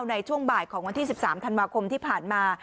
ในช่วงบ่ายของวันที่๑๓ธันวาคมที่ผ่านมา